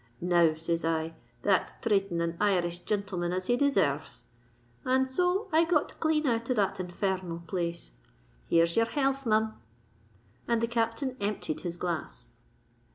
—'Now,' says I, 'that's trating an Irish jintleman as he deserves;' and so I got clean out of that infer r nal place. Here's your health, Mim." And the Captain emptied his glass.